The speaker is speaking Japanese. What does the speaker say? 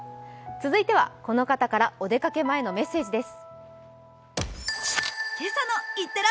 続いては、この方からお出かけ前のメッセージです。